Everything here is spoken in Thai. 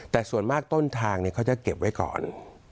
แต่ส่วนมากต้นทางเขาจะเก็บไว้ก่อน